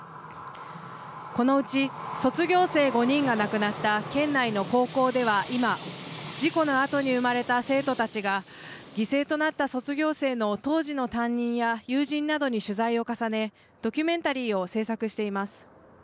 このうち卒業生５人が亡くなった県内の高校では今、事故のあとに生まれた生徒たちが、犠牲となった卒業生の当時の担任や友人などに取材を重ね、ドキュメンタリーを制作しています。